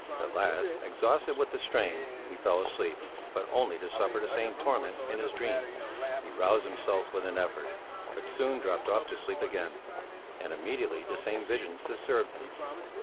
At last, exhausted with the strain, he fell asleep, but only to suffer the same torment in his dream; he roused himself with an effort, but soon dropped off to sleep again, and immediately the same visions disturbed him.